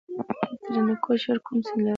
ترینکوټ ښار کوم سیند لري؟